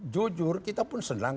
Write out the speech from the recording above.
jujur kita pun senang